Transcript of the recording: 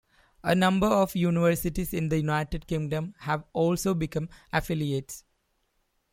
A number of universities in the United Kingdom have also become affiliates.